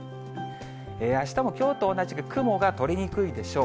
あしたもきょうと同じく雲が取れにくいでしょう。